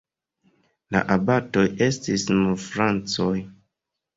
La abatoj estis nur francoj.